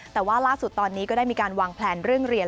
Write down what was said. แต่ว่าล่าสุดตอนนี้ก็ได้มีการวางแพลนเรื่องเรียน